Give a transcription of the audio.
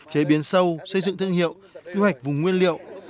chế biến sâu xây dựng thương hiệu quy hoạch vùng nguyên liệu